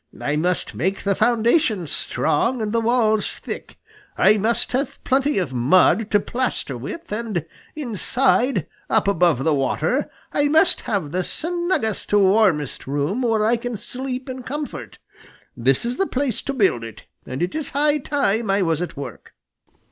I must make the foundations strong and the walls thick. I must have plenty of mud to plaster with, and inside, up above the water, I must have the snuggest, warmest room where I can sleep in comfort. This is the place to build it, and it is high time I was at work."